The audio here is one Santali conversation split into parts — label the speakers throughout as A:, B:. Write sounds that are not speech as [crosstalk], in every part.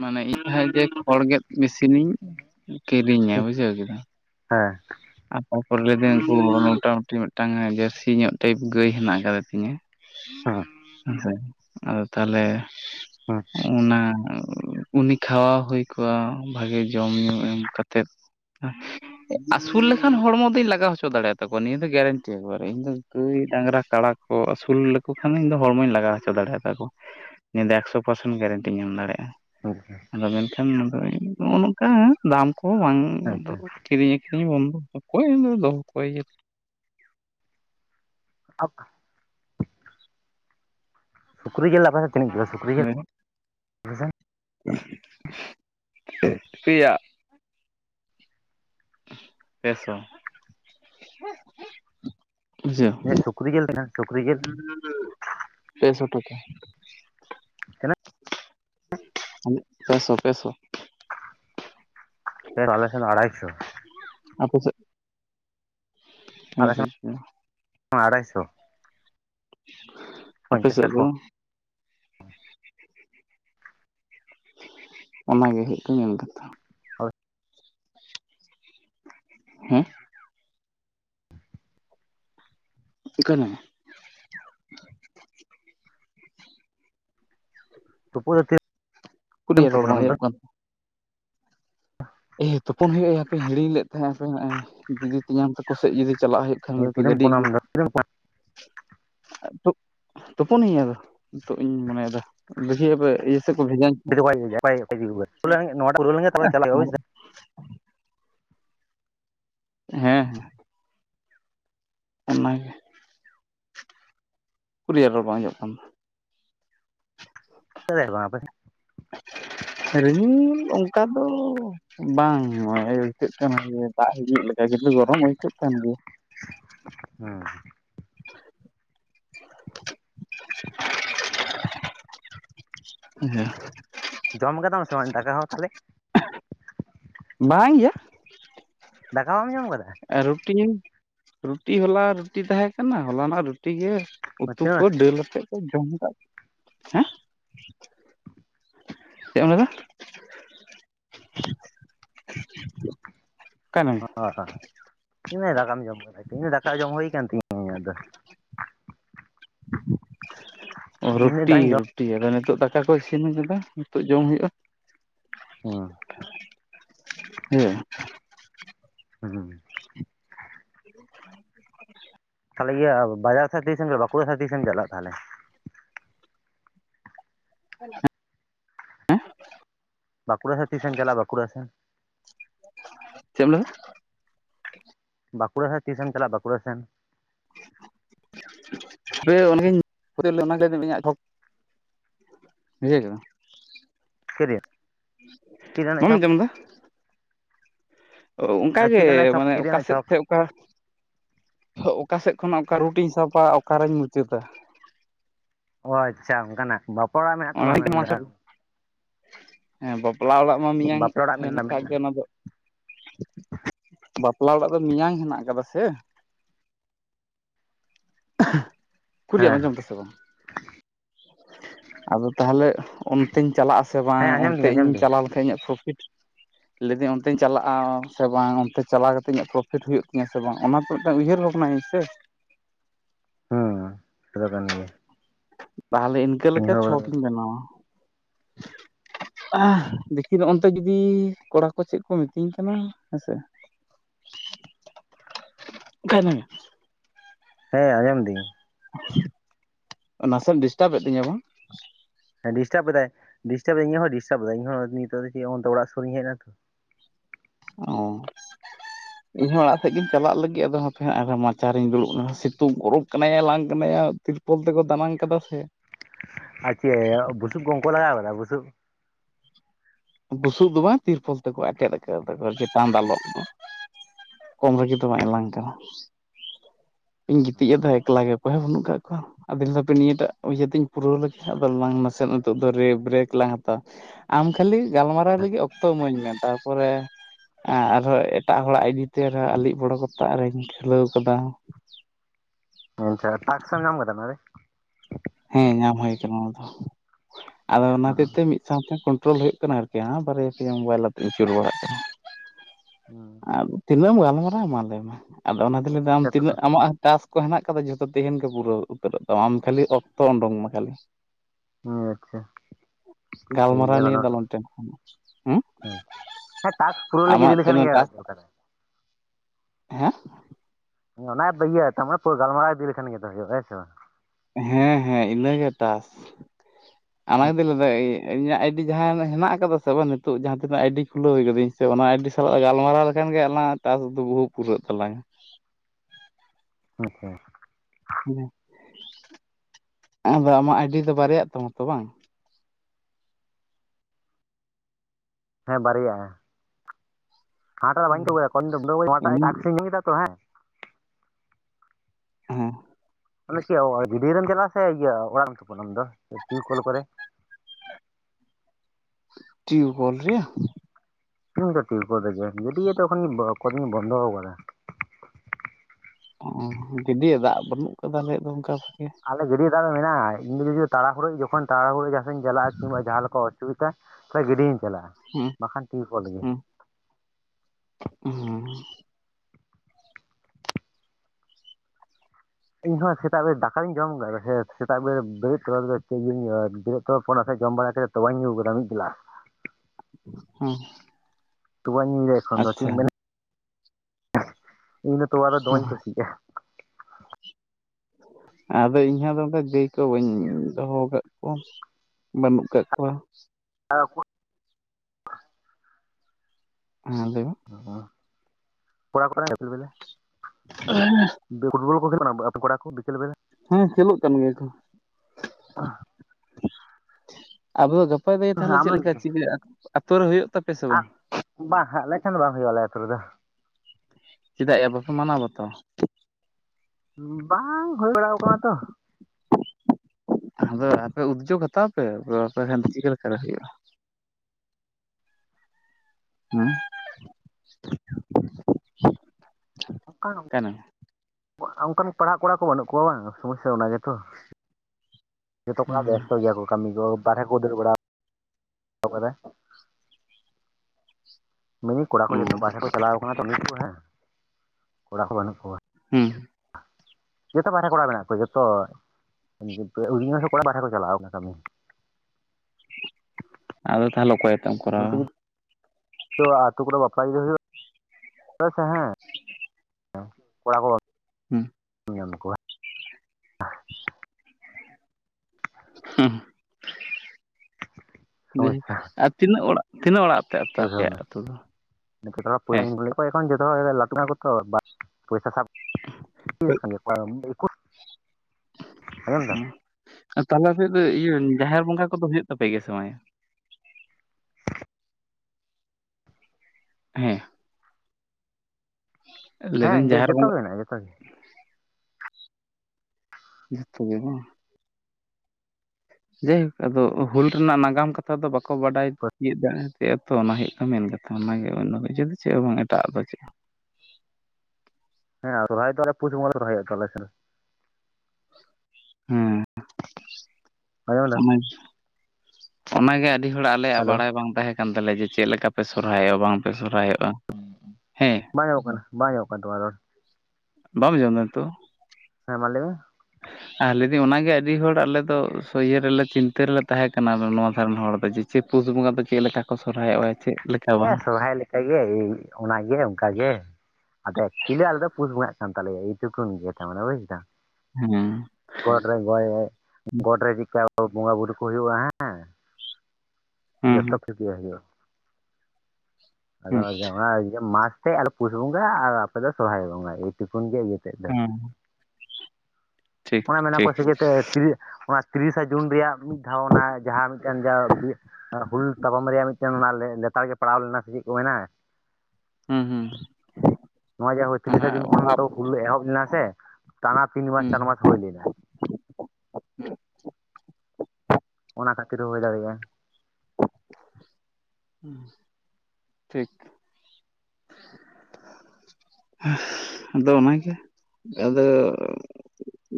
A: ᱢᱟᱱᱮ ᱤᱧ [unintelligible] ᱠᱷᱚᱲ ᱜᱮᱫ ᱢᱤᱥᱤᱱᱤᱧ ᱠᱤᱨᱤᱧ ᱟ
B: ᱦᱮᱸ
A: ᱵᱩᱡᱷᱟᱹᱣ ᱠᱮᱫᱟᱢ
B: ᱦᱮᱸ
A: [unintelligible] ᱢᱚᱴᱟᱢᱩᱴᱤ ᱢᱤᱫᱴᱟᱝ ᱡᱟᱹᱨᱥᱤ ᱧᱚᱜ ᱴᱟᱭᱤᱯ ᱜᱟᱹᱭ ᱦᱮᱱᱟᱸᱜ ᱟᱠᱟᱫᱮ ᱛᱤᱧᱟ. ᱦᱮᱸ ᱥᱮ ᱟᱫᱚ ᱛᱟᱦᱚᱞᱮ ᱚᱱᱟ ᱩᱱᱤ ᱠᱷᱟᱣᱟᱣ ᱦᱩᱭ ᱠᱚᱜᱼᱟ ᱵᱷᱟᱜᱮ ᱡᱚᱢ ᱧᱩ ᱮᱢ ᱠᱟᱛᱮᱜ ᱥᱩᱞ ᱞᱮᱠᱷᱟᱱ ᱦᱚᱲᱢᱚ ᱫᱚᱸᱧ ᱞᱟᱜᱟᱣ ᱦᱚᱪᱚ ᱫᱟᱲᱮᱭᱟ ᱛᱟᱠᱚᱣᱟ ᱱᱤᱭᱟᱹ ᱫᱚ ᱜᱮᱨᱮᱱᱴᱤ ᱮᱠᱵᱟᱨᱮ ᱤᱧ ᱫᱚ ᱜᱟᱹᱭ ᱰᱟᱝᱨᱟ ᱠᱟᱲᱟ ᱚ ᱟᱹᱥᱩᱞ ᱞᱮᱠᱚ ᱠᱷᱟᱱᱤᱧ ᱤᱧᱫᱚ ᱦᱚᱲᱢᱚᱧ ᱞᱟᱜᱟᱣ ᱦᱚᱪᱚ ᱫᱟᱲᱮᱭᱟᱛᱟ ᱠᱚᱣᱟ ᱱᱤᱭᱟᱹ ᱫᱚ ᱮᱠᱥᱚ ᱯᱟᱨᱥᱮᱱ ᱜᱮᱨᱮᱱᱴᱤᱧ ᱮᱢ ᱫᱟᱲᱮᱭᱟᱜᱼᱟ
B: ᱦ
A: ᱟᱫᱚ ᱢᱮᱱᱠᱷᱟᱱ [unintelligible] ᱱᱚᱜᱼᱚ ᱱᱚᱝᱠᱟ ᱫᱟᱢ ᱠᱚ ᱵᱟᱝ
B: ᱦᱮᱸ
A: ᱠᱤᱨᱤᱧ ᱤᱧ ᱵᱚᱱᱫᱚ ᱚᱠᱚᱭ ᱫᱚᱦᱚ ᱠᱚᱭ
B: ᱥᱩᱠᱨᱤ ᱡᱮᱞ ᱟᱯᱮᱥᱮᱜ ᱛᱱᱟ. ᱜ ᱠᱟᱛᱮᱜ ᱥᱩᱠᱨᱤ ᱡᱮᱞ
A: [unintelligible] ᱯᱮᱥᱚ [unintelligible]
B: ᱱᱮ ᱥᱩᱠᱨᱤ ᱡᱤᱞ ᱛᱤᱱᱟᱹᱜ ᱥᱩᱠᱨᱤ ᱡᱤᱞ
A: ᱯᱮᱥᱚ ᱴᱟᱠᱟ
B: [unintelligible]
A: ᱯᱮᱥᱚ ᱯᱮᱥᱚ
B: ᱥᱮᱨ ᱟᱞᱮ ᱥᱮᱱ ᱫᱚ ᱟᱲᱟᱭᱥᱚ
A: ᱟᱯ ᱥᱮᱜ
B: ᱟᱞᱮ ᱥᱮᱱ
A: [unintelligible]
B: ᱟᱲᱟᱭᱥᱚ
A: ᱟᱯᱮ
B: ᱯᱚᱧᱪᱟᱥ
A: ᱥᱮᱜ
B: ᱴᱟᱠᱟ
A: ᱫᱚ [inaudible] ᱚᱱᱟᱜᱮ ᱦᱩᱭᱩᱜ ᱠᱟᱱᱟ ᱢᱮᱱ ᱠᱟᱛᱷᱟ
B: ᱦᱳᱭ
A: ᱦᱮᱸ [unintelligible]
B: ᱛᱩᱯ ᱫᱚ ᱛᱤ
A: ᱩᱠᱩᱨᱤᱜᱭᱟ ᱨᱚᱲ ᱵᱚᱝ ᱟᱸᱡᱚᱢᱚᱜ ᱠᱟᱱ ᱮ ᱛᱩᱯᱚᱱ ᱦᱩᱭᱩᱜᱼᱟᱭᱟ ᱦᱟᱯᱮᱭᱟ ᱦᱤᱲᱤᱧ ᱞᱮᱫ ᱛᱟᱦᱮᱸ ᱦᱟᱯᱮᱼᱚᱭ ᱫᱤᱫᱤ ᱛᱮᱧᱟᱝ ᱛᱟᱠᱚ ᱥᱮᱜ ᱡᱩᱫᱤ ᱪᱟᱞᱟᱜ ᱦᱩᱭᱩᱜ ᱠᱷᱟᱱ [unintelligible]
B: ᱛᱤᱨᱮᱢ
A: ᱜᱟᱹᱰᱤ
B: ᱛᱩᱯᱩᱱᱟ ᱟᱢ
A: ᱟᱜᱩ
B: ᱫᱚ
A: ᱠᱟᱜ ᱛᱩ ᱛᱩᱯᱩᱱᱤᱧ ᱟᱫᱚ ᱱᱤᱛᱚᱜ ᱤᱧ ᱢᱚᱱᱮᱭᱮᱫᱟ ᱫᱤᱠᱷᱤ ᱦᱟᱯᱮ ᱤᱭᱟᱹ ᱥᱮᱜ ᱠᱚ ᱵᱷᱮᱡᱟᱧ
B: [unintelligible] ᱱᱚᱣᱟ ᱴᱟᱜ ᱯᱩᱨᱟᱹᱣ ᱞᱮᱱᱜᱮ ᱛᱟᱨᱯᱚᱨᱮ ᱪᱟᱞᱟᱜ ᱦᱩᱭᱩᱜᱼᱟ ᱵᱩᱡ
A: ᱦᱮᱸ
B: ᱮᱫᱟᱢ
A: ᱦᱮᱸ ᱦᱮᱸ ᱚᱱᱟᱜᱮ, ᱩᱠᱩᱨᱭᱟᱹ ᱨᱚᱲ ᱵᱟᱝ ᱟᱸᱡᱚᱢᱚᱜ ᱠᱟᱱ ᱫᱚ,
B: [unintelligible]
A: ᱨᱤᱜᱤᱧ ᱚᱝᱠᱟ ᱫᱚ, ᱵᱟᱝ ᱟᱹᱭᱠᱟᱹᱜ ᱠᱟᱱ ᱡᱮ ᱫᱟᱜ ᱦᱤᱡᱩᱜ ᱞᱮᱠᱟ ᱡᱩᱫᱤ ᱜᱚᱨᱚᱢ ᱟᱹᱭᱠᱟᱹᱜ ᱠᱟᱱ ᱜᱮᱭᱟ ᱾
B: ᱦᱩᱸ
A: [inaudible] [unintelligible]
B: ᱡᱚᱢ ᱟᱠᱟᱫᱟᱢ ᱥᱮ ᱵᱟᱝ ᱫᱟᱠᱟ ᱦᱚᱸ ᱛᱟᱦᱚᱞᱮ,
A: ᱵᱟᱝᱭᱟ ᱾
B: ᱫᱟᱠᱟ ᱵᱟᱢ ᱡᱚᱢ ᱟᱠᱟᱫᱟ ᱾
A: ᱨᱩᱴᱤ ᱨᱩᱴᱤ ᱦᱚᱞᱟ ᱨᱩᱴᱤ ᱛᱟᱦᱮᱸ ᱠᱟᱱᱟ ᱦᱚᱞᱟᱱᱟᱜ ᱨᱩᱴᱤ ᱜᱮ, ᱩᱛᱩ ᱠᱚ
B: ᱛᱤᱱᱟᱹᱜ
A: ᱫᱟᱹᱞ ᱟᱛᱮᱜ ᱠᱚ ᱡᱚᱢ ᱠᱟᱜ ᱦᱮᱸ, ᱪᱮᱫ ᱮᱢ ᱞᱟᱹᱭᱫᱟ? [inaudible]
B: ᱚᱦ ᱦᱚᱸ ᱤᱧ ᱢᱮᱱ ᱫᱟᱠᱟᱢ ᱡᱚᱢ ᱠᱟᱫᱟ ᱤᱧ ᱫᱟᱠᱟ ᱡᱚᱢ ᱦᱳᱭ ᱠᱟᱱᱟ ᱛᱤᱧᱟᱹ ᱤᱧᱟᱹᱜ ᱫᱚ᱾
A: ᱚ
B: ᱤᱧ ᱫᱚ
A: ᱨᱩᱴᱤ
B: ᱫᱟᱠᱟᱧ ᱡᱚᱢ
A: ᱨᱩᱴᱤ ᱟᱫᱚ ᱱᱤᱛᱚᱜ ᱫᱟᱠᱟ ᱠᱚ ᱤᱥᱤᱱᱹ ᱠᱟᱫᱟ ᱱᱤᱛᱚᱜ ᱡᱚᱢ ᱦᱩᱭᱩᱜᱼᱟ᱾ [inaudible]
B: ᱦᱩᱸ
A: ᱦᱮ ᱾
B: ᱦᱩ ᱾
A: [inaudible]
B: ᱛᱟᱦᱚᱞᱮ ᱤᱭᱟᱹ ᱵᱟᱡᱟᱨ ᱥᱮᱱ ᱛᱤᱥᱮᱢ ᱵᱟᱸᱠᱩᱲᱟ ᱥᱮᱫ ᱛᱤᱥᱮᱢ ᱪᱟᱞᱟᱜ ᱛᱟᱦᱚᱞᱮ?
A: [unintelligible]
B: ᱵᱟᱹᱠᱩᱲᱟ ᱥᱮᱱ ᱛᱤᱥᱮᱢ ᱪᱞᱟᱜᱼᱟ ᱵᱟᱸᱠᱩᱲᱟ ᱥᱮᱱ,
A: ᱪᱮᱫ ᱮᱢ ᱞᱟᱹᱭ ᱫᱟ?
B: ᱵᱟᱸᱠᱩᱲᱟ ᱥᱮᱜ ᱛᱤᱥᱮᱢ ᱪᱟᱞᱟᱜᱼᱟ ᱵᱟᱸᱠᱩᱲᱟ ᱥᱮᱱ,
A: [unintelligible] ᱵᱩᱡᱷᱟᱹᱣ ᱠᱮᱫᱟᱢ ᱾
B: ᱪᱨᱫᱭᱟ ᱾
A: ᱵᱟᱢ ᱡᱟᱢᱫᱟ? ᱚ ᱚᱱᱠᱟ
B: ᱦᱮᱸ
A: ᱜᱮ
B: ᱪᱮᱫ ᱨᱮᱱᱟᱜ ᱪᱷᱚᱠ
A: ᱢᱟᱱᱮ
B: ᱪᱮᱫ
A: ᱚᱠᱟ
B: ᱨᱮᱱᱟᱜ
A: ᱥᱮᱫ
B: ᱪᱷᱚᱠ
A: ᱛᱮ ᱚ ᱚᱠᱟ ᱚᱠᱟᱥᱮᱫ ᱠᱷᱚᱱᱟᱜ ᱚᱠᱟ ᱨᱩᱴᱧ ᱥᱟᱵᱟ ᱚᱠᱟᱨᱮᱧ ᱢᱩᱪᱟᱹᱫᱽᱟ?
B: ᱚ ᱟᱪᱪᱷᱟ ᱚᱱᱠᱟᱱᱟᱜ ᱵᱟ
A: ᱚᱱᱟ ᱦᱩᱭᱩᱜ ᱠᱟᱱᱟ [inaudible] ᱦᱮᱸ ᱵᱟ ᱵᱟᱯᱞᱟ ᱚᱲᱟᱜ ᱢᱟ ᱢᱮᱭᱟᱝ
B: ᱵᱟᱯᱞᱟ ᱚᱲᱟᱜ ᱢᱮᱱᱫᱟ
A: ᱦᱮᱱᱟᱜ ᱟᱠᱟᱜ
B: ᱢᱮᱱᱟᱜᱼᱟ
A: ᱜᱮᱭᱟ ᱚᱱᱟ ᱫᱚ
B: [inaudible]
A: ᱵᱟᱯᱞᱟ ᱚᱲᱟᱜ ᱫᱚ ᱢᱮᱭᱟᱝ ᱦᱮᱱᱟᱜ ᱟᱠᱟᱫᱟ ᱥᱮ? ᱩᱠᱩᱨᱭᱟ
B: ᱦᱮᱸ
A: ᱟᱸᱡᱚᱢ ᱫᱟ ᱥᱮ ᱵᱟᱝ? ᱟᱫᱚ ᱛᱟᱦᱚᱞᱮ ᱚᱱᱛᱮᱧ ᱪᱟᱞᱟᱜ ᱟᱥᱮ ᱵᱟᱝ
B: ᱦᱮᱸ ᱟᱸᱡᱚᱢ
A: ᱚᱱᱛᱮ
B: ᱫᱟᱹᱧ ᱟᱸᱡᱚᱢ
A: ᱤᱧ
B: ᱫᱟᱹᱧ
A: ᱪᱟᱞᱟᱣ ᱞᱮᱠᱷᱟᱡ ᱤᱧᱟᱹᱜ ᱯᱨᱚᱯᱷᱤᱴ ᱞᱟᱹᱭᱫᱟᱹᱧ ᱚᱱᱛᱮᱧ ᱪᱟᱞᱟᱜᱼᱟ ᱥᱮ ᱵᱟᱝ ᱚᱱᱛᱮ ᱪᱟᱞᱟᱣ ᱠᱟᱛᱮ ᱤᱧᱟᱹᱜ ᱯᱨᱚᱯᱷᱤᱴ ᱦᱩᱭᱩᱜ ᱛᱤᱧᱟᱹ ᱥᱮ ᱵᱟᱝ ᱚᱱᱟ ᱢᱤᱫᱴᱟᱝ ᱩᱭᱦᱟᱹᱨ ᱵᱷᱟᱱᱟᱭᱤᱧ ᱥᱮ,
B: ᱦᱩᱸ ᱟᱫᱚ ᱠᱟᱛᱷᱟ ᱠᱟᱱ ᱜᱮᱭᱟ᱾
A: ᱛᱟᱦᱮ ᱤᱱᱠᱟᱹ ᱞᱮᱠᱟ
B: ᱤᱧᱦᱚᱸ
A: ᱪᱷᱚᱠᱤᱧ ᱵᱮᱱᱟᱣ-ᱟ᱾ ᱫᱮᱠᱷᱤ ᱱᱚᱜᱼᱚᱱᱛᱮ ᱡᱩᱫᱤ ᱠᱚᱲᱟ ᱠᱚ ᱪᱮᱫ ᱠᱚ ᱢᱤᱛᱟᱹᱧ ᱠᱟᱱᱟ ᱦᱮᱸᱥᱮ ᱚᱠᱟᱭ ᱱᱟᱢ ᱭᱟ
B: ᱦᱮᱸ ᱟᱸᱡᱚᱢ ᱫᱟᱹᱧ
A: ᱱᱟᱥᱮ ᱰᱤᱥᱴᱟᱵᱮᱫ ᱛᱤᱧᱟᱹ ᱵᱟᱝ?
B: ᱦᱮᱸ ᱰᱤᱥᱴᱟᱵ ᱮᱫᱟᱭ ᱰᱤᱥᱴᱟᱵ ᱮᱫᱟ ᱤᱧᱟᱹᱜ ᱦᱚᱸ ᱰᱤᱥᱟᱵ ᱮᱫ ᱤᱧᱦᱚᱸ ᱱᱤᱛᱚᱜ ᱫᱚ ᱪᱮᱫ ᱚᱱᱛᱮ ᱚᱲᱟᱜ ᱥᱩᱨ ᱤᱧ ᱦᱮᱡ ᱮᱱᱟ ᱛᱚ᱾
A: ᱚ ᱾ ᱤᱧᱦᱚᱸ ᱚᱲᱟᱜ ᱥᱮᱫ ᱜᱤᱧ ᱪᱟᱞᱟᱜ ᱞᱟᱹᱜᱤᱫ ᱟᱫᱚ ᱦᱟᱯᱮ ᱦᱟᱜ ᱢᱟᱪᱟᱨᱤᱧ ᱫᱩᱲᱩᱵ ᱮᱱᱟ ᱥᱤᱛᱩᱝ ᱜᱚᱨᱚᱢ ᱠᱟᱱᱟᱭᱟ ᱞᱟᱝ ᱠᱟᱱᱟᱭᱟ᱾ ᱛᱤᱨᱯᱚᱞ ᱛᱮᱠᱚ ᱫᱟᱱᱟᱝ ᱠᱟᱫᱟ ᱥᱮ,
B: ᱟᱨ ᱪᱮᱜ, [unintelligible] ᱜᱚᱝᱠᱚ ᱞᱟᱜᱟᱣ ᱠᱟᱫᱟ ᱵᱩᱥᱩᱵ᱾
A: ᱵᱩᱥᱩᱵ ᱫᱚ ᱵᱟᱝ ᱛᱤᱨᱯᱚᱞ ᱛᱮᱠᱚ ᱟᱴᱮᱫ ᱟᱠᱟᱫᱟᱠᱚ ᱪᱮᱛᱟᱱ ᱫᱟᱞᱚᱵ ᱫᱚ᱾ ᱠᱚᱢ ᱨᱟᱹᱜᱤ ᱫᱚ ᱵᱟᱝ ᱮᱞᱟᱝ ᱠᱟᱱᱟ᱾ ᱤᱧ ᱜᱤᱛᱤᱡ ᱟᱫᱟ ᱮᱠᱞᱟ ᱜᱮ ᱚᱠᱚᱭ ᱦᱚᱸ ᱵᱟᱹᱱᱩᱜ ᱟᱠᱟᱜ ᱠᱚᱣᱟ᱾ ᱟᱫᱚᱧ ᱞᱟᱹᱭᱫᱟ ᱦᱟᱯᱮ ᱱᱤᱭᱟᱹᱴᱟᱜ ᱤᱭᱟᱹ ᱛᱮᱧ ᱯᱩᱨᱟᱹᱣ ᱞᱮᱜᱮ ᱟᱫᱚ ᱞᱟᱝ ᱱᱟᱥᱮ ᱱᱟᱜ ᱱᱤᱛᱚᱜ ᱫᱚ ᱨᱮ ᱵᱨᱮᱠ ᱞᱟᱝ ᱦᱟᱛᱟᱣᱟ᱾ ᱟᱢ ᱠᱷᱟᱹᱞᱤ ᱜᱟᱞᱢᱟᱨᱟᱣ ᱞᱟᱹᱜᱤᱫ ᱚᱠᱛᱚ ᱤᱢᱟᱹᱧ ᱢᱮ ᱛᱟᱨᱯᱚᱨᱮ
B: ᱟᱪᱪᱷᱟ
A: ᱟᱨᱦᱚᱸ ᱮᱴᱟᱜ ᱦᱚᱲᱟᱜ ᱟᱭᱰᱤ‌ ᱛᱮ ᱟᱨᱚ ᱟᱹᱞᱤᱡ ᱵᱚᱲᱚ ᱠᱚᱛᱛᱟ ᱟᱜ ᱨᱤᱧ ᱠᱷᱩᱞᱟᱹᱣ ᱟᱠᱟᱫᱟ᱾
B: ᱚᱱᱠᱟ ᱴᱟᱠᱥ ᱮᱢ ᱧᱟᱢ ᱠᱟᱫᱟ ᱚᱱᱟ ᱨᱮ
A: ᱦᱮᱸ ᱧᱟᱢ ᱦᱩᱭ ᱠᱟᱱᱟ ᱚᱱᱟ ᱫᱚ ᱟᱫᱚ ᱚᱱᱟ ᱦᱚᱛᱮᱡ
B: ᱦᱮᱸ
A: ᱛᱮ ᱥᱟᱶᱛᱮ ᱠᱚᱱᱴᱨᱳᱞ ᱦᱩᱭᱩᱜ ᱠᱟᱱᱟ ᱟᱨᱠᱤ ᱵᱟᱨᱭᱟ ᱯᱮᱭᱟ ᱢᱳᱵᱟᱭᱤᱞ ᱟᱛᱮᱧ ᱟᱹᱪᱩᱨ ᱵᱟᱲᱟᱜ ᱠᱟᱱᱟ᱾
B: ᱦᱩᱸ
A: ᱟᱫᱚ ᱛᱤᱱᱟᱹᱜ ᱮᱢ ᱜᱟᱞᱢᱟᱨᱟᱣ-ᱟ ᱢᱟ ᱞᱟᱹᱭ ᱢᱮ ᱟᱫᱚ ᱚᱱᱟᱛᱮ ᱞᱟᱹᱭᱫᱟ ᱟᱢ
B: ᱥᱮ ᱛᱚᱵᱮ
A: ᱛᱤᱱᱟᱹᱜ ᱟᱢᱟᱜ ᱴᱟᱥᱠ ᱠᱚ ᱦᱮᱱᱟᱜ ᱟᱠᱟᱫᱟ ᱡᱷᱚᱛᱚ ᱛᱮᱦᱮᱧ ᱜᱮ ᱯᱩᱨᱟᱹᱣ ᱩᱛᱟᱹᱨᱚᱜ ᱛᱟᱢᱟ, ᱟᱢ ᱠᱷᱟᱹᱞᱤ ᱚᱠᱛᱚ ᱩᱰᱩᱠ ᱢᱮ ᱠᱷᱟᱹᱞᱤ᱾
B: ᱦᱮᱸ ᱟᱪᱪᱷᱟ
A: ᱜᱟᱞ
B: ᱴᱷᱤᱠ
A: ᱢᱟᱨᱟᱣ
B: ᱜᱮᱭᱟ
A: ᱱᱤᱭᱮ
B: ᱠᱳᱱᱳ
A: ᱫᱚ ᱟᱞᱚᱢ [unintelligible]
B: ᱦᱮᱸ ᱦᱮᱸ ᱴᱟᱥᱠ ᱯᱩᱨᱟᱹᱣ ᱞᱟᱹᱜᱤᱫ
A: ᱟᱢᱟᱜ
B: ᱤᱫᱤ ᱞᱮᱠᱷᱟᱱ ᱜᱮ
A: ᱛᱤᱱᱟᱹᱜ
B: ᱟᱫᱚ
A: ᱴᱟᱥᱠ
B: ᱪᱮᱫ ᱫᱚᱨᱠᱟᱨ
A: ᱦᱮᱸ
B: ᱚᱱᱟ ᱜᱮᱛᱚ ᱤᱭᱟᱹ ᱛᱟᱨ ᱢᱟᱱᱮ ᱯᱩᱨᱟᱹ ᱜᱟᱞᱢᱟᱨᱟᱣ ᱤᱫᱤ ᱞᱮᱠᱷᱟᱱ ᱜᱮᱛᱚ ᱦᱩᱭᱩᱜᱼᱟ ᱦᱮᱸ ᱥᱮ ᱵᱟᱝ
A: ᱦᱮᱸ ᱦᱮᱸ ᱤᱱᱟᱹ ᱜᱮᱛ ᱴᱟᱥᱠ ᱟᱫᱚ ᱤᱧᱟᱹᱜ ᱟᱭᱰᱤ ᱡᱟᱦᱟᱸ ᱦᱮᱱᱟᱜ ᱟᱠᱟᱫᱟ ᱥᱮ ᱵᱟᱝ ᱱᱤᱛᱚᱜ ᱡᱟᱦᱟᱸ ᱛᱤᱱᱟᱹᱜ ᱟᱭᱰᱤ ᱠᱷᱩᱞᱟᱹᱣ ᱟᱠᱟᱫᱟᱹᱧ ᱚᱱᱟ ᱟᱹᱭᱰᱤ ᱥᱟᱞᱟᱜ ᱜᱟᱞᱢᱟᱨᱟᱣ ᱞᱮᱠᱷᱟᱱ ᱜᱮ ᱟᱞᱟᱝ ᱴᱟᱠᱥ ᱫᱚ ᱵᱚᱦᱩ ᱯᱩᱨᱟᱹᱜ ᱛᱟᱞᱟᱝᱟ᱾
B: ᱟᱪᱪᱷᱟ
A: ᱟᱫᱚ ᱟᱢᱟᱜ ᱟᱭᱰᱤ ᱫᱚ ᱵᱟᱨᱭᱟᱜ ᱛᱟᱢᱟ ᱛᱚ ᱵᱟᱝ?
B: ᱦᱮᱸ ᱵᱟᱨᱭᱟᱜᱼᱟ ᱦᱮᱸ᱾ ᱦᱟᱱᱟᱴᱟᱜ ᱫᱚᱧ [unintelligible]
A: ᱤᱧ
B: ᱱᱚᱣᱟᱴᱟᱜ ᱨᱮ [unintelligible] ᱠᱮᱫᱟ [unintelligible] ᱛᱚ ᱦᱮ
A: ᱦᱚᱸ
B: ᱢᱟᱱᱮ ᱪᱮᱫ ᱜᱤᱰᱤᱭᱟᱹ ᱨᱮᱢ ᱪᱟᱞᱟᱜᱼᱟ ᱥᱮ ᱤᱭᱟᱹ ᱚᱲᱟᱜ ᱨᱮᱢ ᱛᱚᱯᱚᱱ-ᱟ ᱟᱢ ᱫᱚ ᱴᱤᱭᱩ ᱠᱚᱞ ᱠᱚᱨᱮ?
A: ᱴᱤᱭᱩ ᱠᱚᱞ ᱨᱮᱭᱟ
B: ᱤᱧ ᱦᱚ ᱴᱤᱭᱩᱠᱚᱞ ᱨᱮᱜᱮ ᱜᱟᱹᱰᱭᱟᱹ ᱨᱮ ᱠᱚᱫᱤᱱ ᱵᱚᱱᱫᱚ ᱟᱠᱟᱫᱟ
A: ᱚ ᱜᱟᱹᱰᱭᱟᱹ ᱫᱟᱜ ᱵᱟᱹᱱᱩᱜ ᱠᱟᱫᱟ ᱟᱞᱮᱭᱟᱜ ᱫᱚ ᱚᱱᱠᱟ ᱵᱷᱟᱜᱤ᱾
B: ᱟᱞᱮ ᱜᱟᱹᱰᱭᱟᱹ ᱫᱟᱜ ᱨᱮ ᱢᱮᱱᱟᱜᱼᱟ ᱤᱧᱫᱚ ᱡᱩᱫᱤ ᱛᱟᱲᱟ ᱦᱩᱲᱟᱹᱜ ᱟᱧ ᱡᱚᱠᱷᱚᱱ ᱛᱟᱲᱟ ᱦᱩᱲᱟᱹ ᱡᱟᱦᱟᱸ ᱥᱮᱫ ᱮᱧ ᱪᱟᱞᱟᱜᱼᱟ ᱠᱤᱢᱵᱟ ᱡᱟᱦᱟᱸ ᱞᱮᱠᱟ ᱚᱥᱩᱵᱤᱫᱟ, ᱛᱟᱦᱚᱞᱮ ᱜᱟᱹᱰᱤᱭᱟᱹᱧ ᱪᱟᱞᱟᱜᱼᱟ᱾
A: ᱦᱮᱸ
B: ᱵᱟᱠᱷᱟᱱ ᱴᱤᱭᱩ ᱠᱚᱞ ᱜᱮ
A: ᱦᱮᱸ ᱦᱮᱸ
B: ᱤᱧᱦᱚᱸ ᱥᱮᱛᱟᱜ ᱵᱮᱨ ᱫᱟᱠᱟᱧ ᱡᱚᱢ ᱟᱠᱟᱫᱟ ᱥᱮᱛᱟᱜ ᱵᱮ ᱵᱮᱨᱮᱫ ᱛᱚᱨᱟ, ᱵᱮᱨᱮᱫ ᱛᱚᱨᱟ [unintelligible] ᱥᱮᱫ ᱡᱚᱢ ᱵᱟᱲᱟ ᱠᱟᱛᱮᱫ ᱛᱚᱣᱟᱹᱧ ᱧᱩ ᱟᱠᱟᱫᱟ ᱢᱤᱫ ᱜᱞᱟᱥ᱾
A: ᱦᱚᱸ
B: ᱛᱚᱣᱟᱧ ᱧᱩᱭ ᱫᱟ ᱮᱠᱷᱚᱱ ᱫᱚ ᱪᱮᱫ ᱤᱧ ᱢᱮᱱᱟ᱾ ᱤᱧᱫᱚ ᱛᱚᱣᱟ
A: ᱦᱮᱸ
B: ᱫᱚᱢᱮᱧ ᱠᱩᱥᱤᱭᱟᱜᱼᱟ᱾
A: ᱟᱫᱚ ᱤᱧᱦᱚ ᱫᱚ ᱚᱱᱠᱟ ᱜᱟᱹᱭ ᱠᱚ ᱵᱟᱹᱧ ᱫᱚᱦᱚ ᱟᱠᱟᱫ ᱠᱚᱣᱟ᱾ ᱵᱟᱹᱱᱩᱜ ᱟᱠᱟᱫ ᱠᱚᱣᱟ᱾
B: [unintelligible]
A: ᱦᱮᱸ ᱞᱟᱹᱭ ᱢᱮ᱾
B: ᱚᱸ [unintelligible]
A: [unintelligible]
B: ᱯᱷᱩᱴᱵᱚᱞ ᱠᱚ ᱠᱷᱮᱞ ᱠᱟᱱᱟ ᱟᱛᱩ ᱠᱚᱲᱟ ᱠᱚ ᱵᱤᱠᱮᱞ ᱵᱮᱞᱟ?
A: ᱦᱮᱸ ᱠᱷᱮᱞᱚᱜ ᱠᱟᱱ ᱜᱮᱭᱟ ᱠᱚ᱾ ᱟᱫᱚ ᱜᱟᱯᱟ ᱫᱚᱭᱟ ᱛᱟᱦᱚᱞᱮ
B: ᱟᱢ
A: ᱪᱮᱫ
B: ᱫᱚᱢ
A: ᱞᱮᱠᱟ
B: ᱪᱤᱠᱟᱹᱭᱟ
A: ᱪᱤᱠᱟᱹᱜᱟ, ᱟᱹᱛᱩ ᱨᱮ ᱦᱩᱭᱩᱜ ᱛᱟᱯᱮᱭᱟ ᱥᱮ ᱵᱟᱝ?
B: ᱟᱜ ᱵᱟᱝ ᱟᱞᱮ ᱴᱷᱮᱱ ᱫᱚ ᱵᱟᱝ ᱦᱩᱭᱩᱜᱼᱟ ᱟᱞᱮ ᱟᱹᱛᱩ ᱨᱮᱫᱚ᱾
A: ᱪᱮᱫᱟᱜ ᱭᱟ ᱵᱟᱯᱮ ᱢᱟᱱᱟᱣ ᱵᱟᱛᱟᱣᱟ?
B: ᱵᱟᱝ ᱦᱩᱭ ᱵᱟᱲᱟᱣ ᱟᱠᱟᱱᱟ ᱛᱚ᱾
A: ᱟᱫᱚ ᱟᱯᱮ ᱩᱫᱽᱡᱳᱜᱽ ᱦᱟᱛᱟᱣ ᱯᱮ ᱟᱯᱮ ᱠᱷᱟᱱ ᱫᱚ ᱪᱮᱫ ᱞᱮᱠᱟᱨᱮ ᱦᱩᱭᱩᱜᱼᱟ᱾ ᱦᱮᱸ
B: ᱚᱱᱠᱟᱱ
A: ᱠᱟᱱᱟ
B: ᱚᱱᱠᱟᱱ ᱯᱟᱲᱦᱟᱜ ᱠᱚᱲᱟ ᱠᱚ ᱵᱟᱹᱱᱩᱜ ᱠᱚᱣᱟ ᱵᱟᱝ ᱥᱚᱢᱚᱥᱥᱟ ᱚᱱᱟ ᱜᱮᱛᱚ᱾ ᱡᱚᱛᱚ ᱠᱚᱲᱟ ᱵᱮᱥᱛᱚ ᱜᱮᱭᱟ ᱠᱚ ᱠᱟᱹᱢᱤ ᱠᱚ ᱵᱟᱨᱦᱮ ᱠᱚ ᱫᱟᱹᱲ ᱵᱟᱲᱟᱣ ᱠᱟᱫᱟ᱾ ᱢᱮᱱ ᱫᱟᱹᱧ ᱠᱚᱲᱟ ᱠᱚ ᱡᱚᱛᱚ ᱵᱟᱨᱦᱮ
A: ᱦᱩᱸ
B: ᱠᱚ ᱪᱟᱞᱟᱣ ᱟᱠᱟᱱᱟ ᱠᱚ ᱦᱮᱸ ᱠᱚᱲᱟ ᱠᱚ ᱵᱟᱹᱱᱩᱜ ᱠᱚᱣᱟ᱾
A: ᱦᱩᱸ
B: ᱡᱚᱛᱚ ᱵᱟᱨᱦᱮ ᱠᱚᱲᱟ ᱢᱮᱱᱟᱜ ᱠᱚᱣᱟ ᱡᱚᱛᱚ ᱚᱫᱷᱤᱠᱟᱝᱥᱚ ᱠᱚᱲᱟ ᱵᱟᱨᱦᱮ ᱠᱚ ᱪᱟᱞᱟᱜᱼᱟ ᱠᱟᱹᱢᱤ᱾
A: ᱟᱫᱚ ᱛᱟᱦᱞᱮ ᱚᱠᱚᱭ ᱟᱛᱮᱢ ᱠᱚᱨᱟᱣᱟ
B: [unintelligible] ᱟᱛᱳ ᱠᱚ ᱨᱮ ᱵᱟᱯᱞᱟ ᱡᱩᱫᱤ ᱦᱩᱭᱩᱜᱼᱟ [unintelligible] ᱠᱚᱲᱟ ᱠᱚ‌
A: ᱦᱮᱸ
B: [unintelligible] ᱧᱟᱢ ᱠᱚᱣᱟ [unintelligible]
A: [unintelligible] ᱡᱟᱭ
B: ᱥᱚᱢᱚᱥᱥᱟ
A: ᱦᱳᱠ ᱛᱤᱱᱟᱹᱜ ᱚᱲᱟᱜ ᱛᱤᱱᱟᱹᱜ ᱚᱲᱟᱜ ᱟᱯᱮ ᱟᱛᱳ
B: ᱥᱮᱥ
A: ᱟᱯᱮᱭᱟᱜ
B: ᱦᱩᱭᱱᱟ
A: ᱟᱛᱳ ᱫᱚ ᱦᱮᱸ
B: ᱚᱠᱚᱭ ᱠᱷᱚᱱ ᱡᱚᱛᱚ ᱛᱚ [unintelligible] ᱯᱚᱭᱥᱟ ᱥᱟᱵ ᱮᱠᱩᱥ ᱟᱸᱡᱚᱢ ᱫᱟᱢ
A: ᱛᱟᱦᱚᱞᱮ ᱟᱯᱮ ᱥᱮᱫ ᱫᱚ ᱤᱭᱟᱹ ᱡᱟᱦᱮᱨ ᱵᱚᱸᱜᱟ ᱠᱚᱫᱚ ᱦᱩᱭᱩᱜ ᱛᱟᱯᱮ ᱜᱮᱭᱟ ᱥᱮ ᱵᱟᱝ ᱦᱮᱸᱭᱟ
B: ᱦᱮᱸ
A: ᱞᱟᱹᱭᱫᱟᱹᱧ ᱡᱟᱦᱮᱨ
B: ᱡᱚᱛᱚ ᱜᱮ
A: ᱵᱚᱸᱜᱟ
B: ᱢᱮᱱᱟᱜᱼᱟ ᱡᱚᱛᱚ ᱜᱮ
A: ᱡᱷᱚᱛᱚ ᱜᱮ ᱵᱟᱝ ᱡᱟᱭᱦᱳᱠ ᱟᱫᱚ ᱦᱩᱞ ᱨᱮᱱᱟᱜ ᱱᱟᱜᱟᱢ ᱠᱟᱛᱷᱟ ᱫᱚ ᱵᱟᱠᱚ ᱵᱟᱰᱟᱭ ᱫᱟᱲᱮ ᱛᱚ ᱚᱱᱟ ᱦᱩᱭᱩᱜ ᱠᱟᱱᱟ ᱢᱮᱱ ᱠᱟᱛᱷᱟ ᱚᱱᱟᱜᱮ ᱪᱮᱫ ᱵᱟᱝ ᱮᱴᱟᱜ ᱫᱚ ᱪᱮᱫ
B: ᱦᱮᱸ ᱥᱚᱦᱨᱟᱭ ᱫᱚ ᱟᱞᱮ ᱯᱩᱥ ᱵᱚᱸᱜᱟ ᱞᱮ ᱥᱚᱦᱨᱟᱭᱚᱜᱼᱟ ᱟᱞᱮ ᱥᱮ ᱟᱸᱡᱚᱢ ᱫᱟᱢ
A: ᱦᱮᱸ ᱚᱱᱟᱜᱮ ᱟᱹᱰᱤ ᱦᱚᱲ ᱟᱞᱮᱭᱟᱜ
B: ᱦᱮᱞᱳ
A: ᱵᱟᱲᱟᱭ ᱵᱟᱝ ᱛᱟᱦᱮᱸ ᱠᱟᱱ ᱛᱟᱞᱮᱭᱟ ᱡᱮ ᱪᱮᱫ ᱞᱮᱠᱟ ᱯᱮ ᱥᱚᱨᱦᱟᱭᱚᱜᱼᱟ ᱵᱟᱝ ᱯᱮ ᱥᱚᱨᱦᱟᱭᱚᱜᱼᱟ᱾ ᱦᱮᱸ
B: ᱵᱟᱝ ᱟᱸᱡᱚᱢᱚᱜ ᱠᱟᱱᱟ ᱵᱟᱝ ᱟᱸᱡᱚᱢᱚᱜ ᱠᱟᱱᱟ ᱛᱚᱢᱟ ᱨᱚᱲ᱾
A: ᱵᱟᱢ ᱟᱸᱡᱚᱢ ᱠᱟᱫᱟ
B: ᱦᱮᱸ ᱢᱟ ᱞᱟᱹᱭ ᱢᱮ
A: ᱟᱞᱮ ᱜᱮ ᱚᱱᱟᱜᱮ ᱟᱹᱰᱤ ᱦᱚᱲ ᱟᱞᱮ ᱫᱚ ᱥᱚᱦᱮ ᱨᱮᱞᱮ ᱪᱤᱱᱛᱟᱹ ᱨᱮᱞᱮ ᱛᱟᱦᱮᱸ ᱠᱟᱱᱟ ᱱᱚᱣᱟ ᱫᱷᱟᱨᱮᱱ ᱦᱚᱲ ᱫᱚ ᱡᱮ ᱪᱮ ᱯᱩᱥ ᱵᱚᱸᱜᱟ ᱫᱚ ᱪᱮᱫ ᱞᱮᱠᱟ ᱠᱚ ᱥᱚᱦᱨᱟᱭᱚᱜᱼᱟ ᱪᱮᱫ ᱞᱮᱠᱟ
B: ᱮᱭ
A: ᱵᱟᱝ
B: ᱥᱚᱦᱨᱟᱭ ᱞᱮᱠᱟᱜᱮ ᱚᱱᱟᱜᱮ ᱚᱱᱠᱟᱜᱮ ᱟᱫᱚ ᱮᱠᱪᱩᱭᱮᱞᱤ ᱟᱞᱮ ᱫᱚ ᱯᱩᱥ ᱵᱚᱸᱟᱜ ᱠᱟᱱ ᱛᱟᱞᱮᱭᱟ ᱮᱭ ᱴᱩᱠᱩᱱ ᱜᱮ ᱢᱮ ᱵᱩᱡᱫᱟᱢ
A: ᱦᱮᱸ
B: ᱜᱚᱰ ᱨᱮ ᱜᱚᱭ ᱜᱚᱰ ᱨᱮ ᱪᱮᱫᱠᱟ ᱵᱚᱸᱜᱟ ᱵᱩᱨᱩ ᱠᱚ ᱦᱩᱭᱩᱜᱼᱟ ᱦᱮᱸ
A: ᱦᱮᱸ
B: ᱡᱚᱛᱚ ᱴᱷᱤᱠ ᱦᱩᱭᱩᱜᱼᱟ
A: ᱦᱮᱸ
B: ᱟᱫᱚ ᱢᱟᱥᱛᱮᱜ ᱟᱞᱮ ᱯᱩᱥ ᱵᱚᱸᱜᱟ ᱟᱨ ᱟᱯᱮ ᱫᱚ ᱥᱚᱦᱨᱟᱭ ᱵᱚᱸᱜᱟ ᱮᱭ ᱴᱩᱠᱩᱱ ᱜᱮ ᱛᱮᱫ ᱫᱚ
A: ᱦᱮᱸ ᱴᱷᱤᱠ
B: ᱚᱱᱟ ᱢᱮᱱᱟ ᱠᱚ
A: ᱴᱷᱤᱠ
B: ᱥᱮᱪᱮᱛ ᱚᱱᱟ ᱛᱤᱨᱤᱥᱟ ᱡᱩᱱ ᱨᱮᱭᱟᱜ ᱢᱤᱫ ᱫᱷᱟᱣ ᱚᱱᱟ ᱡᱟᱦᱟᱸ ᱢᱤᱫᱴᱮᱱ ᱦᱩᱞ ᱛᱟᱯᱟᱢ ᱨᱮᱭᱟᱜ ᱢᱤᱫᱴᱮᱱ ᱚᱱᱟ ᱞᱮᱛᱟᱲ ᱜᱮ ᱯᱟᱲᱟᱣ ᱞᱮᱱᱟ ᱥᱮ ᱪᱮᱫ ᱠᱚ ᱢᱮᱱᱟ
A: ᱦᱩᱸ ᱦᱩᱸ
B: ᱱᱚᱜᱼᱚᱭ ᱡᱮ ᱦᱳᱭ ᱛᱤᱨᱤᱥᱟ
A: ᱚᱱᱟ
B: ᱡᱩᱱ ᱠᱷᱚᱱ
A: ᱚᱵᱷᱟᱵ
B: ᱛᱚ ᱦᱩᱞ ᱮᱦᱚᱵ ᱞᱮᱱᱟ ᱥᱮ ᱴᱟᱱᱟ ᱛᱤᱱ ᱢᱟᱥ
A: ᱦᱩᱸ
B: ᱪᱟᱨ ᱢᱟᱥ ᱦᱳᱭ ᱞᱮᱱᱟ ᱚᱱᱟ ᱠᱷᱟᱹᱛᱤᱨ ᱦᱚᱸ ᱦᱩᱭ ᱫᱟᱲᱮᱭᱟᱜᱼᱟ
A: ᱦᱩᱸ ᱴᱷᱤᱠ ᱟᱫᱚ ᱚᱱᱟᱜᱮ ᱟᱫᱚ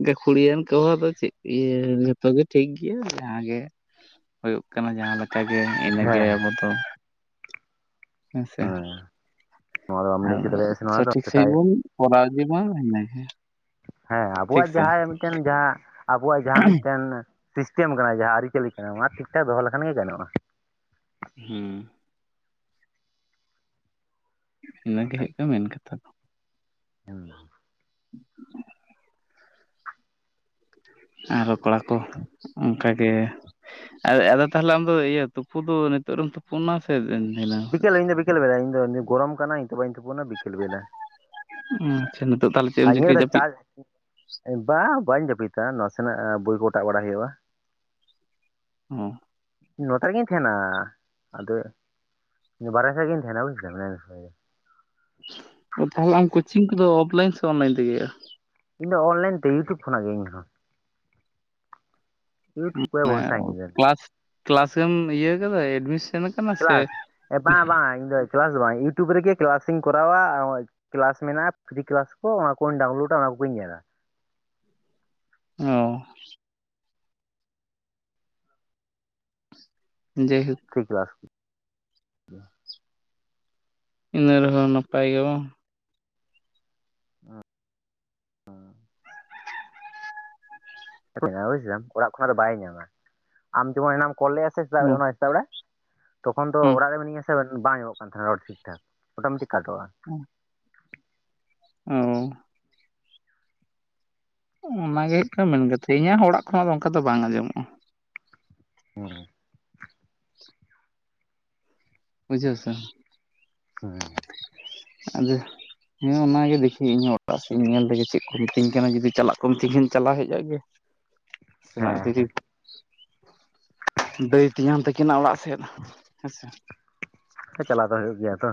A: ᱜᱟᱹᱠᱷᱩᱲᱤᱭᱟᱱ ᱠᱚᱦᱚ ᱫᱚ ᱪᱮᱫ ᱤᱭᱟᱹ ᱡᱚᱛᱚ ᱜᱮ ᱴᱷᱤᱠ ᱜᱮᱭᱟ ᱡᱟᱦᱟᱸ ᱜᱮ ᱦᱩᱭᱩᱜ ᱠᱟᱱᱟ ᱡᱟᱦᱟᱸ ᱞᱮᱠᱟᱜᱮ ᱤᱱᱟᱹᱜᱮ
B: ᱦᱮᱸ
A: ᱟᱵᱚ ᱫᱚ ᱦᱮᱸ ᱥᱮ
B: ᱱᱚᱣᱟ ᱫᱚ ᱵᱟᱢ ᱞᱟᱹᱭ
A: ᱟᱨ
B: ᱦᱚᱪᱚ ᱫᱟᱲᱮᱭᱟᱜᱼᱟ ᱥᱮ ᱱᱚᱣᱟ ᱫᱚ
A: ᱥᱚᱴᱷᱤᱠ ᱥᱚᱦᱤᱡ
B: ᱥᱮᱛᱟᱭ
A: ᱵᱚᱱ ᱠᱚᱨᱟᱣ ᱤᱫᱤᱢᱟ ᱤᱱᱟᱹ ᱜᱮ
B: ᱦᱮᱸ ᱟᱵᱚᱣᱟᱜ ᱡᱟᱦᱟᱸ ᱢᱤᱫᱴᱮᱱ ᱡᱟᱦᱟᱸ ᱟᱵᱚᱣᱟᱜ ᱡᱟᱦᱟᱸ ᱢᱤᱫᱴᱮᱱ ᱥᱤᱥᱴᱮᱢ ᱠᱟᱱᱟ ᱡᱟᱦᱟᱸ ᱟᱹᱨᱤᱪᱟᱹᱞᱤ ᱠᱟᱱᱟ ᱚᱱᱟ ᱴᱷᱤᱠ ᱴᱷᱟᱠ ᱫᱚᱦᱚ ᱞᱮᱠᱷᱟᱱ ᱜᱮ ᱜᱟᱱᱚᱜᱼᱟ
A: ᱦᱩᱸ ᱤᱱᱟᱹᱜᱮ
B: ᱵᱟᱠᱷᱟᱡ
A: ᱦᱩᱭᱩᱜ ᱠᱟᱱᱟ ᱢᱮᱱ ᱠᱟᱛᱷᱟ ᱫᱚ
B: [inaudible]
A: ᱟᱨ ᱦᱚᱸ ᱠᱚᱲᱟ ᱠᱚ ᱚᱱᱠᱟᱜᱮ ᱟᱨ ᱟᱫᱚ ᱛᱟᱦᱚᱞᱮ ᱟᱢᱫᱚ ᱤᱭᱟᱹ ᱛᱩᱯᱩ ᱫᱚ ᱱᱤᱛᱚᱜ ᱨᱮᱢ ᱛᱩᱯᱩᱭᱱᱟ ᱥᱮ ᱫᱷᱤᱱᱟᱹᱱ
B: ᱵᱤᱠᱮᱞ ᱤᱧ ᱫᱚ ᱵᱤᱠᱮᱞ ᱵᱮᱲᱟ ᱤᱧᱫᱚ ᱜᱚᱨᱚᱢ ᱠᱟᱱᱟ ᱤᱧ ᱫᱚ ᱵᱟᱹᱧ ᱛᱩᱯᱩᱱᱟ ᱵᱤᱠᱮᱞ ᱵᱮᱞᱟ
A: ᱦᱩᱸ ᱟᱪᱪᱷᱟ ᱱᱤᱛᱚᱜ ᱫᱚ [unintelligible]
B: ᱟᱨ ᱤᱭᱟᱹ ᱨᱮ ᱪᱟᱥ ᱵᱟᱝ ᱵᱟᱹᱧ ᱡᱟᱹᱯᱤᱫᱟ ᱱᱟᱥᱮᱱᱟᱜ ᱵᱳᱭ ᱠᱚ ᱚᱴᱟᱜ ᱵᱟᱲᱟ ᱦᱩᱭᱩᱜᱼᱟ
A: ᱦᱩᱸ
B: ᱱᱚᱸᱰᱟ ᱜᱤᱧ ᱛᱟᱦᱮᱸᱱᱟ ᱟᱫᱚ ᱵᱟᱦᱨᱮ ᱥᱮᱫ ᱨᱮᱜᱤᱧ ᱛᱟᱦᱮᱸᱱᱟ [unintelligible]
A: ᱚᱱ ᱛᱟᱦᱚᱞᱮ ᱠᱚᱪᱦᱤᱝ ᱠᱩᱫᱚ ᱚᱱᱞᱟᱤᱱ ᱥᱮ ᱚᱱᱞᱟᱤᱱ ᱛᱮ ᱦᱩᱭᱩ-ᱟ
B: ᱤᱧᱫᱚ ᱚᱱᱞᱟᱭᱤᱱ ᱛᱮ ᱤᱭᱩᱴᱩᱵᱽ ᱠᱷᱚᱱᱟᱜ ᱜᱮ ᱤᱧᱦᱚᱸ ᱤᱭᱩᱴᱩᱵᱽ ᱨᱮ
A: ᱢᱟᱱᱮ
B: ᱵᱷᱚᱨᱥᱟᱧ ᱤᱧ ᱫᱚ
A: ᱠᱞᱟᱥ ᱠᱞᱟᱥ ᱜᱮᱢ ᱤᱭᱟᱹ ᱠᱟᱫᱟ ᱮᱰᱢᱤᱥᱚᱱ
B: ᱠᱮᱞᱟᱥ ᱵᱟᱝ ᱵᱟᱝ ᱤᱧ ᱫᱚ ᱠᱮᱞᱟᱥ ᱫᱚ ᱵᱟᱝ ᱤᱭᱩᱴᱩᱵᱽ ᱨᱮᱜᱮ ᱠᱮᱞᱟᱥᱤᱧ ᱠᱚᱨᱟᱣᱟ ᱠᱮᱞᱟᱥ ᱢᱮᱱᱟᱜᱼᱟ ᱯᱷᱨᱤ ᱠᱮᱞᱟᱥ ᱠᱚ ᱚᱱᱟ ᱠᱚᱧ ᱰᱟᱣᱩᱱᱞᱳᱰᱟ ᱚᱱᱟ ᱠᱚᱜᱧ ᱧᱮᱞᱟ
A: ᱚᱻ ᱡᱮᱭ ᱦᱩᱠ
B: [unintelligible]
A: ᱤᱱᱟᱹ ᱨᱮᱦᱚᱸ ᱱᱟᱯᱟᱭ ᱜᱮ ᱵᱟᱝ
B: [inaudible] [unintelligible] ᱵᱩᱡᱟᱢ ᱚᱲᱟᱜ ᱠᱷᱚᱱᱟᱜ ᱫᱚ ᱵᱟᱭ ᱧᱟᱢᱟ ᱟᱢ ᱡᱮᱢᱚᱱ ᱚᱱᱟᱢ ᱠᱚᱞ ᱞᱮᱫᱼᱟ ᱥᱮᱛᱟᱜ
A: ᱦᱩᱸ
B: ᱚᱱᱟ ᱥᱮᱛᱟᱜ ᱵᱮᱲᱟ ᱛᱚᱠᱷᱚᱱ ᱫᱚ
A: ᱦᱩᱸ
B: ᱚᱲᱟᱜ ᱨᱮ ᱢᱤᱱᱟᱹᱧᱟ ᱥᱮ ᱵᱟᱝ ᱟᱸᱡᱚᱢᱚᱜ ᱠᱟᱱ ᱛᱟᱦᱮᱸᱱᱟ ᱨᱚᱲ ᱴᱷᱤᱠ ᱴᱷᱟᱠ ᱢᱳᱴᱟ ᱢᱳᱴᱤ ᱠᱟᱴᱚᱜᱼᱟ
A: ᱦᱩᱸ ᱩᱸᱻ ᱚᱱᱟᱜᱮ ᱦᱩᱭᱩᱜ ᱠᱟᱱᱟ ᱢᱮᱱ ᱠᱟᱛ ᱤᱧᱟᱹᱜ ᱦᱚᱸ ᱚᱲᱟᱜ ᱠᱷᱚᱱᱟᱜ ᱫᱚ ᱚᱱᱠᱟ ᱫᱚ ᱵᱟᱝ ᱟᱸᱡᱚᱢᱚᱜᱼᱟ
B: [inaudible]
A: ᱵᱩᱡᱷᱟᱹᱣ ᱥᱮ
B: [inaudible]
A: ᱟᱫᱚ ᱦᱮᱸ ᱚᱱᱟᱜᱮ ᱫᱮᱠᱷᱮ ᱤᱧᱟᱹᱜ ᱚᱴᱟᱜ ᱥᱮᱫ ᱤᱧ ᱧᱮᱞ ᱞᱮᱜᱮ ᱪᱮᱫ ᱠᱚ ᱢᱤᱛᱟᱹᱧ ᱠᱟᱱᱟ ᱡᱩᱫᱤ ᱪᱟᱞᱟᱜ ᱠᱚ ᱢᱤᱛᱟᱹᱧ ᱠᱷᱟᱱ ᱪᱟᱞᱟᱣ ᱦᱮᱡ ᱟ ᱜᱮ ᱥᱮᱱᱟᱜ
B: ᱦᱮᱸ
A: ᱫᱤᱨᱤ ᱫᱟᱹᱭ ᱛᱮᱭᱟᱝ ᱛᱟᱹᱠᱤᱱᱟ ᱚᱲᱟᱜ ᱥᱮᱫ ᱦᱮᱸᱥᱮ
B: ᱪᱟᱞᱟᱣ ᱫᱚ ᱦᱩᱭᱩᱜ ᱜᱮᱭᱟ ᱛᱚ